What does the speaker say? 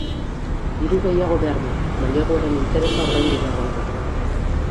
Diru gehiago behar dut, maileguaren interesa ordaindu behar bait dut.